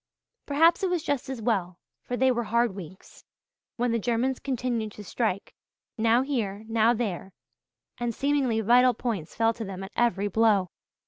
Perhaps it was just as well, for they were hard weeks, when the Germans continued to strike, now here, now there, and seemingly vital points fell to them at every blow.